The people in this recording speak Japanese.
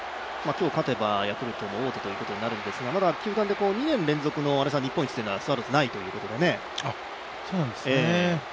今日勝てばヤクルトも王手ということになるんですかまだ球団で２年連続の日本一はスワローズはないということですね。